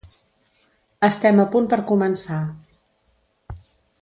Estem a punt per començar.